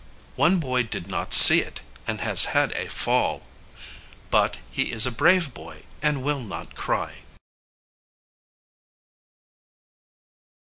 One boy did not see it, and has had a fall. But he is a brave boy, and will not cry.